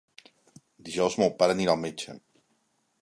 Dijous mon pare anirà al metge.